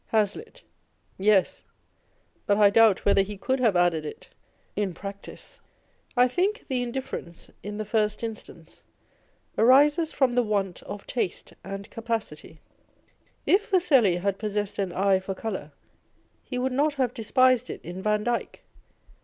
Hazlitt. Yes : but I doubt whether he could have added it in practice. I think the indifference, in the first instance, arises from tho want of taste and capacity. If Fuseli had possessed an eye for colour, he would not have despised it in Vandyke.